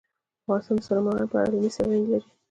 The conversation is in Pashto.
افغانستان د سلیمان غر په اړه علمي څېړنې لري.